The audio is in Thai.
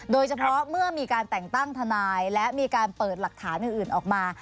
โดยเฉพาะเมื่อมีการแต่งตั้งทนายและมีการเปิดหลักฐานอื่นออกมา